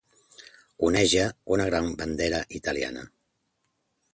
oneja una gran bandera italiana